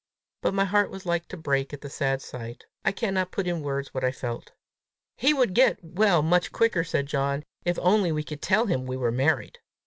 But my heart was like to break at the sad sight. I cannot put in words what I felt. "He would get well much quicker," said John, "if only we could tell him we were married!"